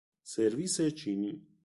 سرویس چینی